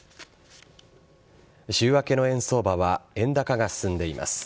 週明けの円相場は、円高が進んでいます。